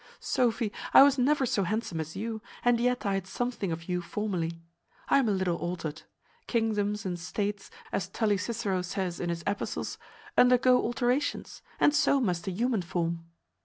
Sophy, I was never so handsome as you, and yet I had something of you formerly. I am a little altered. Kingdoms and states, as Tully Cicero says in his epistles, undergo alterations, and so must the human form."